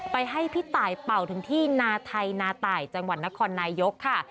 ให้พี่ตายเป่าถึงที่นาไทยนาตายจังหวัดนครนายกค่ะ